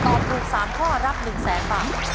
ตอบถูก๓ข้อรับ๑๐๐๐๐๐๐บาท